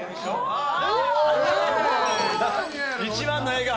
一番の笑顔。